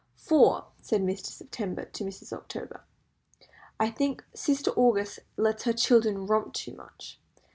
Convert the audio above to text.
"For," said Mr. September to Mrs. October, "I think Sister August lets her children romp too much.